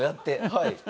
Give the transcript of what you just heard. はい。